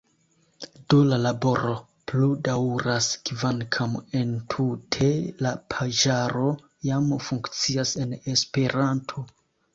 Do, la laboro plu daŭras, kvankam entute la paĝaro jam funkcias en Esperanto.